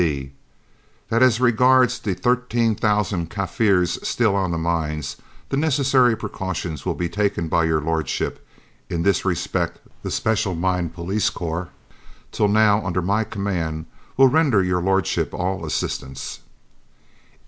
"(d) That as regards the 13,000 Kaffirs still on the mines, the necessary precautions will be taken by Your Lordship: in this respect the Special Mine Police corps, till now under my command, will render Your Lordship all assistance.